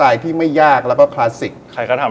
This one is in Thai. อ้าวผมชอบหาครีม